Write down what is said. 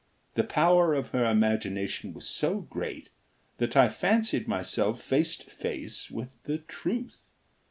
The power of her imagination was so great that I fancied myself face to face with the truth.